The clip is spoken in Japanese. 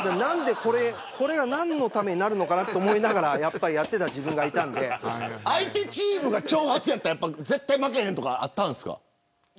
これは何のためになるのかなと思いながら相手チームが長髪やったら絶対負けへんとかあったんですか。